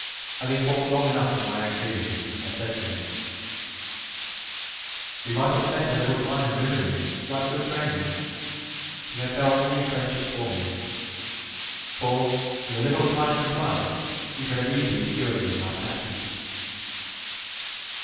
Having fought long enough with my own feelings, I said to him; "We might have spent a little time in Rimini like good friends, if you had felt any friendship for me, for, with a little kind compliance, you could have easily cured me of my passion."